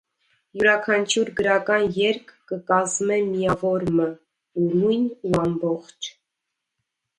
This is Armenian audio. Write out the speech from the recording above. Իւրաքանչիւր գրական երկ կը կազմէ միաւոր մը՝ ուրոյն ու ամբողջ։